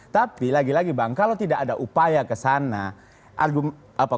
tapi lagi lagi bang kalau tidak ada upaya ke sana